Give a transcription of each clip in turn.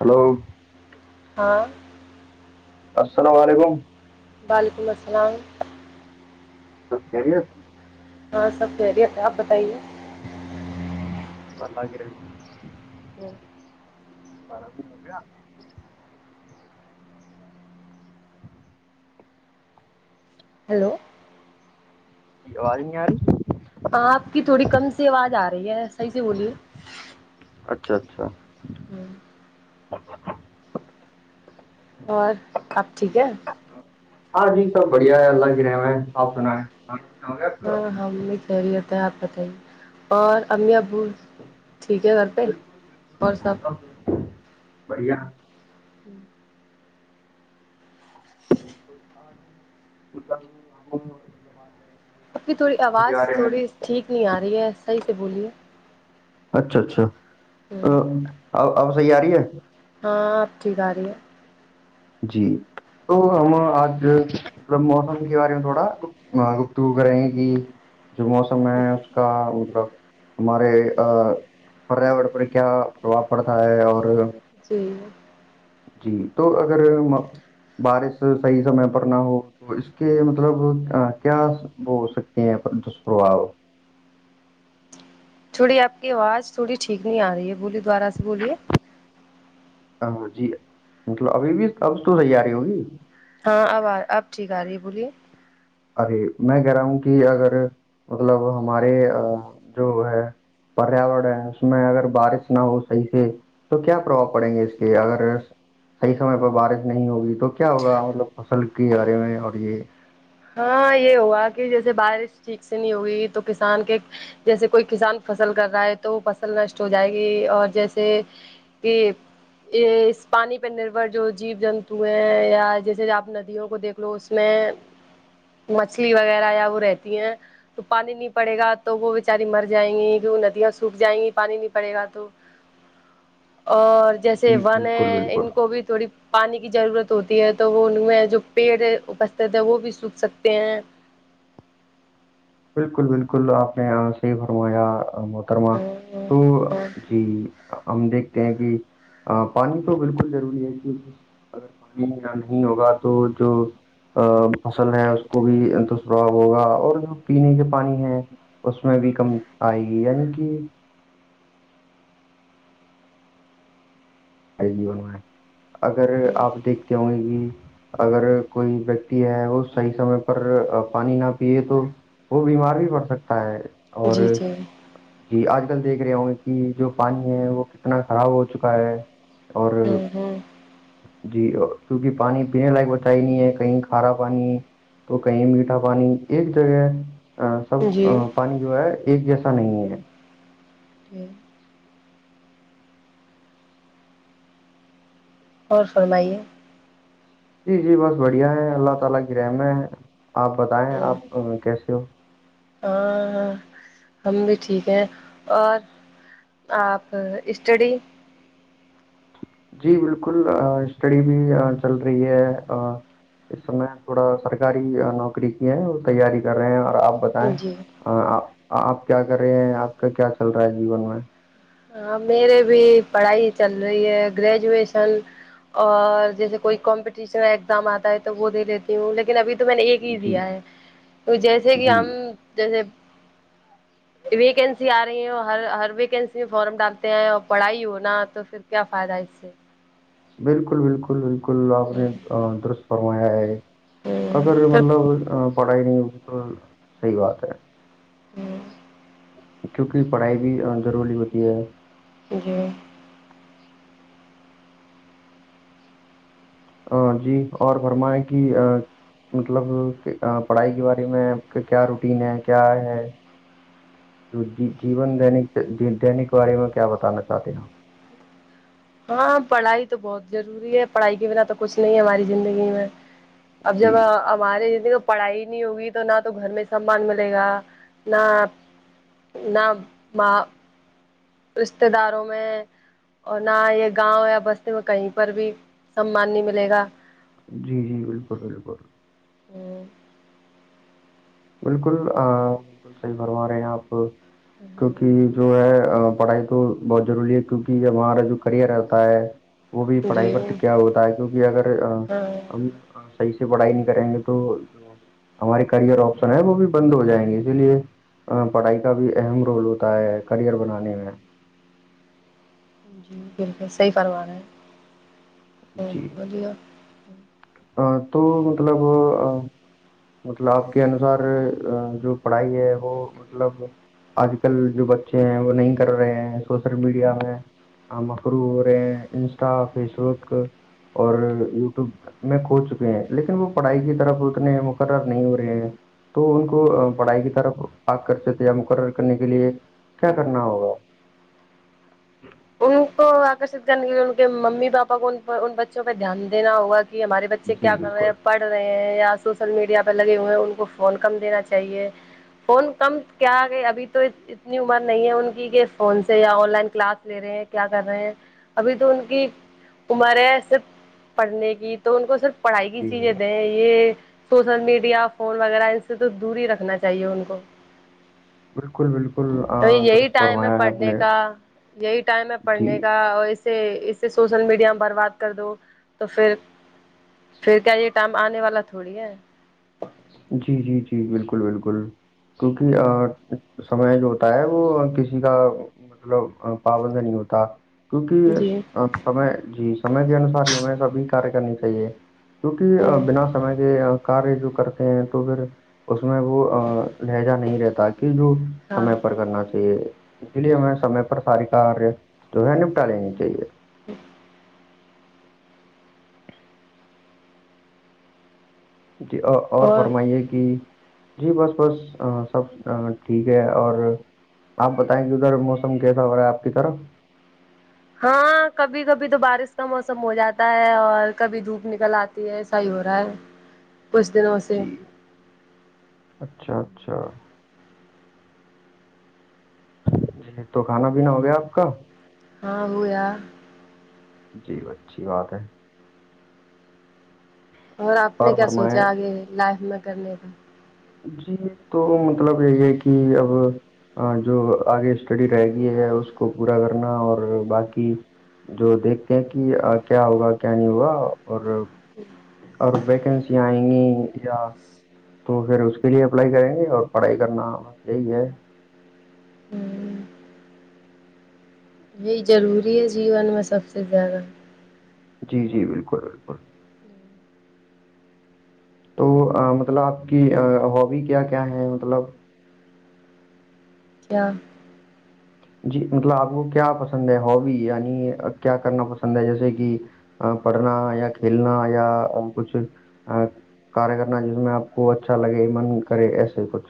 Hello ہاں السلام علیکم وعلیکم السلام سکری اتی ہاں سب خہریت ہے آپ بتائیے نلہ گ رہ او [unintelligible] [inaudible] براب د ہو گیا ہیلو ج آوازیں نہیں یاری آپ کی تھوڑی کم سی آواز آ رہی ہے صحیح سے بولیے اچھا اچھا ہوں اور اب ٹھیک ہے ہاں جی سب بڑھیا ہے اللہ کی رحم ہے آپ سنا ہے ہاں ہاں امی کہہری ہوتا ہے آپ بتائیے اور امی ابو ٹھیک ہے گ بالکل بالکل بڑیا ہوں ب ہم مطل بات کریں گے اب کی تھوڑی آواز تھوڑی ٹھیک نہیں آ رہی ہے صحیح سے بولیے اچھا اچھا اب صحیح آ رہی ہے ہاں آپ ٹھیک آ رہی ہے- جی تو ہم آج- مطلب موسم کے بارے میں تھوڑا گفتگ کریں کہ- جو موسم ہے اس کا مطلب- ہمارے پریاور پر کیا پرباؤ پڑتا ہے اور- جی- جی تو اگر بارش صحیح سمے پر نہ ہو- تو اس کے مطلب کیا وہ ہو سکتے ہیں دشپرباؤ- تھوڑی آپ کی آواز تھوڑی ٹھیک نہیں آ رہی ہے بولی دوبارہ سے بولیے- ہاں جی مطلب ابھی بھی اب تو صحیح ا رہی ہوگی- ہاں اب آ اب ٹھیک آ رہی ہے بولیے- ارے میں کہہ رہا ہوں کہ اگر مطلب ہمارے جو ہے- پریاورن ہے اس میں اگر بارش نہ ہو صحیح سے- تو کیا پربؤ پڑیں گے اس کے اگر- صحیح سم پہ بارش نہیں ہوگی تو کیا ہوگا مطلب فصل کے بارے میں اور یہ- ہاں یہ ہوا کہ جیسے بارش ٹھیک سے نہیں ہوگئی تو کسان کے- جیسے کوئی کسان فصل کر رہا ہے تو وہ فصل نشٹ ہو جائے گی اور جیسے- کے- یہ اس پانی پہ نربھر جو جیو جنتو ہیں یا جیسے آپ ندیوں کو دیکھ لو اس میں- مچھلی وغیرہ یا وہ رہتی ہیں- تو پانی نہیں پڑے گا تو وہ بیچاری مر جائیں گی کی وہ ندیاں سوکھ جائیں گی پانی نہیں پڑے گا تو- اور جیسے جی ون ہے بالکل بالکل ان کو بھی تھوڑی- پانی کی ضرورت ہوتی ہے تو وہ ان میں جو پیڑ اپستت ہے وہ بھی سوکھ سکتے ہیں- بالکل- بالکل آپ نے صیح فرمایا- محترما تو جی- ہم دیکھتے ہیں کہ پانی تو بالکل ضروری ہے کیوںکہ- اگر پانی نہیں ہوگا تو جو- فصل ہے اس کو بھی انتسوھا ہوگا اور جو- پینے کے پانی ہے اس میں بھی کم آئے گی یعنی کہ- جیون میں اگر آپ دیکھتے ہوں گے کہ- اگر کوئی ویکتی ہے وہ صحیح سمے پر پانی نہ پیے تو- وہ بیمار بھی پڑ سکتا ہے اور- جی جی جی آج کل دیکھ رہے ہوں گے کہ جو پانی ہے وہ کتنا خراب ہو چکا ہے- اور ہوں ہوں جی کیونکہ پانی پینے لائق بت ہی نہیں ہے کہیں کھارا پانی- تو کہیں میٹھا پانی ایک جگہ- آ، سب آ، جی- پانی جو ہے ایک جیسا نہیں ہے- [unintelligible] اور فرمائیے? جی -جی بس بڑھیا ہے اللہ تعالی کی رحمت ہے اپ بتائیں ہوں، اپ کیسے ہو- [unintelligible] ہم بھی ٹھیک ہیں اور آپ اسٹڈی- جی بالکل اسٹڈی بھی چل رہی ہے- اس سمے تھوڑا سرکاری نوکری کی ہے وہ تیاری کر رہے ہیں اور اب- پت ہے جی آپ کیا کر رہے ہیں آپ کا کیا چل رہا ہے جیون میں ہاں میرے بھی پڑھائی چل رہی ہے گریجویشن اور جیسے کوئی کمپٹیشن ایگزام آتا ہے تو وہ دے لیتی ہوں لیکن ابھی تو میں نے ایک ہی جی دیا ہے جیسے کہ جی ہم جیسے ویکنسی آ رہی ہے اور ہر ہر ویکینسی اس فارم ڈالتے ہیں اور پڑھائی ہونا تو پھر کیا فائد ہے اس سے بالکل بالکل بالکل آپ نے سے درست فرمایا ہے ہوں اگر مطلب پڑھائی نہیں ہوگی تو صحیح بات ہے کیونکہ پڑھائی بھی ضروری ہوتی ہے جی ہ جی اور فرمیں کہ مطلب پڑھائی کے بارے میں آپ کا کیا روٹین ہے کیا ہے جیون دینک دینک کے بارے میں کیا بتانا چاہتے ہیں ہاں پڑھائی تو بہت ضروری ہے پڑھائی کے بنا تو کچھ نہیں ہے ہماری زندگی میں اب جب جی ہمارے زند پڑھائی نہیں ہوگی تو نہ تو گھر میں سمان ملے گا نہ نہ م رشتے داروں میں اور نہ یہ گاؤں یا بستے میں کہیں پر بھی سمان نہیں ملے گا جی جی بالکل بالکل ہوں بالکل بالکل صحیح کرروا رہے ہیں آپ کیونکہ کہ جو ہے پڑھائی تو بہت ضروری ہے کیونکہ یہ ہمارا جو کرئر رہتا ہے وہ بھی پڑھائی جی پر ٹک کیا ہوتا ہے کیونکہ اگر ہاں ہم صحیح سے پڑھائی نہیں کریں گے تو جو ہمارے کرئر آپ س وہ بھی بند ہو جائیں گے اسی لیے پڑھائی کا بھی اہم رول ہوتا ہے کرئر بنانے میں جی بالکل صحی پروا رہاے ہیں جی ویا ا تو مطلب مطلب آپ کے انوسار جو پڑھائی ہے وہ مطلب آج کل جو بچے ہیں وہ نہیں کر رہے ہیں سوشل میڈیا میں مخرو ہو رہے ہیں انسٹا فیس بک اور یوٹیوبک میں کھو چکے ہیں لیکن وہ پڑھائی کی طرف اتنے مقرر نہیں ہو رہے ہیں تو ان کو پڑھائی کی طرف آگ کر سکتے یا مقرر کرنے کے لیے کیا کرنا ہوگا ان کو آکرشت کرنے کے لیے ان کے ممی پاپا کو ان بچوں پہ دھیان دینا ہوا کہ ہمارے بچے کیا جی کر رہے ہیں بالکل پڑھ رہے ہیں یا سوشل میڈیا پہ لگے ہوئے ہیں ان کو فون کم دینا چاہیے فون کم کیا آ گیا ابھی تو اتنی عمر نہیں ہے ان کی کہ فون سے یا آن لائن کلاس لے رہے ہیں کیا کر رہے ہیں ابھی تو ان کی عمر ہے صرف پڑھنے کی تو ان کو صرف پڑھائی کی جی چیزیں جی دیں یہ سوشل میڈیا فون وغیرہ ان سے تو دور ہی رکھنا چاہیے ان کو بالکل بالکل آ، تو یہی درست ٹائم ہے فرمایا آپ پڑھنے نے کا یہی ٹائم ہے جی پڑھنے کا اور سے اس سے سوشل میڈیا برباد کر دو تو پھر پھر کیا یہ ٹائم آنے والا تھوڑی ہے جی جی جی بالکل بالکل کیونکہ سمے جو ہوتا ہے وہ کسی کا مطلب پابند نہیں ہوتا کیونکہ جی سم جی سمے کے انسار ہی ہمیں سبھی کاریہ کرنی چاہیے کیونکہ ہوں بنا سمے کے کار جو کر تو پھر اس میں وہ لہجہ نہیں رہتا کہ جو ہاں سمے پر کرنا چاہیے اسی لیے ہمیں سمے پر سار کاریہ جو ہے نپٹا لینی چاہیے ج جی اور فرمائیے کہ جی بس بس سب ٹھیک ہے اور آپ بتائیں کہ ادھر موسم کیسا ہو رہا ہے آپ کی طرف ہاں کبھی کبھی تو بارش کا موسم ہو جاتا ہے اور کبھی دھوپ نکل آتی ہے صحی ہو رہا ہے کچھ د نو ں سے جی اچھا اچھا جی تو کھانا پینا ہو گیا آپ کا ہاں ہویا جی اچھی بات ہے اور آپ نے کیا سوچا آگے لائف میں کرنے کا جی تو مطلب یہی ہے کہ اب ہا جو آگے اسٹڈی رہ گئی ہے اس کو پورا کرنا اور باقی جو دیکھتے ہیں کہ کیا ہوگا کیا نہیں ہوگا اور اور ویکنسیاں آئیں گی یا تو پھر اس کے لیے اپلائی کریں گے اور پڑھائی کرنا بس یہی ہے ہوں یہی ضروری ہے جیون میں سب سے زیادہ جی جی بالکل بالکل تو مطلب آپ کی ہبی کیا کیا ہے مطلب کیا جی مطلب آپ کو کیا پسند ہے ہابی یعنی کیا کرنا پسند ہے جیسے کہ پڑھنا یا کھیلنا یا کچھ کیہ کرنا جس میں آپ کو اچھا لگے من کرے ایسے کچھ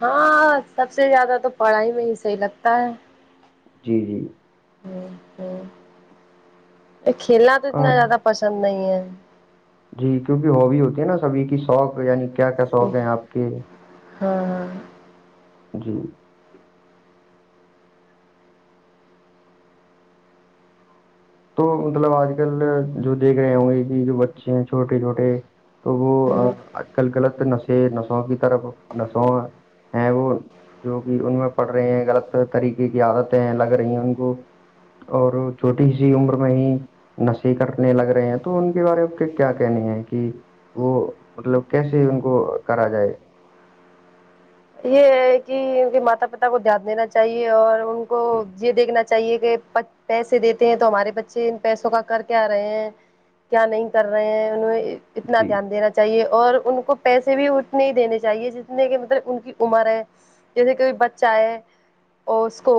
ہاں سب سے زیادہ تو پڑھائی میں ہی صحیح لگتا ہے جی جی ھم ھم کھیلنا تو آ، اتنا زیادہ پسند نہیں ہے جی کیونکہ ہوابی ہوتی ہے نا سبھی کی شوق یعنی کیا کیا شوق ہے آپ کے ہاں ہاں ہاں جی تو مطلب آج کل جو دیکھ رہے ہوں گے کہ جو بچے ہیں چھوٹے چھوٹے تو وہ ہوں آج کل غلط نشے نسوں کی طرف نسوں ہیں وہ جو کہ ان میں پڑھ رہے ہیں غلط طریقے کی عادتیں ہیں لگ رہی ہیں ان کو اور چوٹی جی عمر میں ہی نشے کرنے لگ رہے ہیں تو ان کے بارے میں کے کیا کہنی ہے کہ وہ مطلب کیسے ان کو کرا جائے یہ ہے کہ ان کے ماتا پتا کو دھیان دینا چاہیے اور ان کو یہ دیکھنا چاہیے کہ پیسے دیتے ہیں تو ہمارے بچے ان پیسوں کا کر کے آ رہے ہیں کیا نہیں کر رہے ہیں انہیں اتنا جی دھیان دینا چاہیے اور ان کو پیسے بھی اتنے ہی دینے چاہیے جتنے کہ مطلب ان کی عمر ہے جیسے کوئی بچہ ہے اور اس کو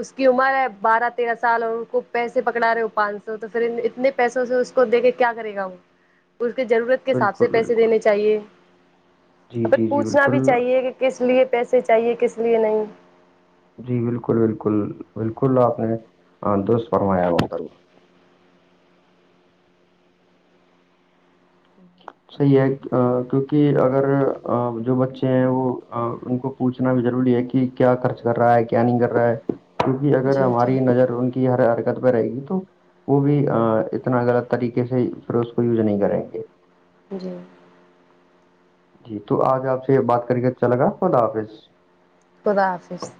اس کی عمر ہے بارہ تیرہ سال اور اس کو پیسے پکڑا رہے ہو پانچ سو تو پھر اتنے پیسوں سے اس کو دے کے کیا کرے گا وہ اس کے ضرورت کے حساب بالکل سے پیسے بالکل دینے چاہیے ا جی پ جی جی پوچھنا بھی بالکل چاہیے کہ کس لیے پیسے چاہیے کس لیے نہیں جی بالکل بالکل بالکل آپ نے دوست فرمایا گنت صحیح ہے کیونکہ اگر جو بچے ہیں وہ ان کو پوچنا بھی ضروری ہے کہ کیا خرچ کر رہا ہے کیا نہیں کر رہا ہے کیونکہ اگر جی جی ہماری نظر ان کے کی ہر حرکت میںہ رہے گی تو وہ بھی اتنا غلط طریقے سے پھر اس کو یوز نہیں کریں گے جی جی تو آج آپ سے بات کر کے اچھا لگا ہو ن آفس خدا حافظ